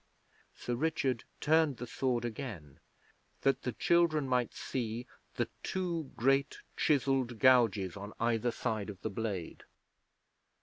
Sir Richard turned the sword again that the children might see the two great chiselled gouges on either side of the blade.